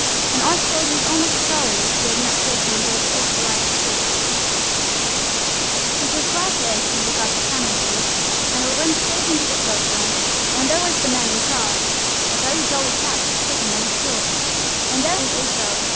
And Oswald was almost sorry he had not taken those crystallised fruits. It was quite late when we got to Cannon Street, and we went straight into the cloak room, and there was the man in charge, a very jolly chap, sitting on a stool. And there was H.O.